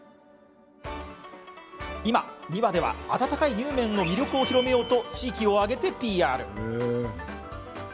今、三輪では温かいにゅうめんの魅力を広めようと地域を挙げてＰＲ。